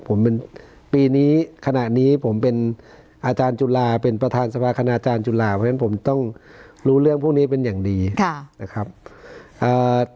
ผมเป็นปีนี้ขณะนี้ผมเป็นอาจารย์จุฬาเป็นประธานสภาคณาจารย์จุฬาเพราะฉะนั้นผมต้องรู้เรื่องพวกนี้เป็นอย่างดีค่ะนะครับ